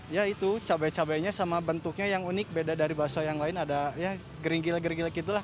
ya itu cabai cabainya sama bentuknya yang unik beda dari bakso yang lain ada ya geringgil geringgil gitu lah